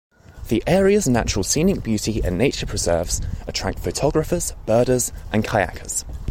The area's natural scenic beauty and nature preserves attract photographers, birders and kayakers.